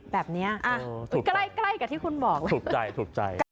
แบบนี้ใกล้กับที่คุณบอกเลยถูกใจถูกใจ